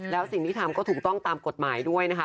แล้วสิ่งที่ทำก็ถูกต้องตามกฎหมายด้วยนะคะ